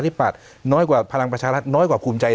ปัตย์น้อยกว่าพลังประชารัฐน้อยกว่าภูมิใจ